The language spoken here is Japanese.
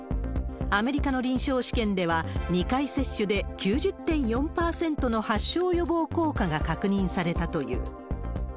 アメリカの臨床試験では、２回接種で９０．４％の発症予防効果が確認されたという。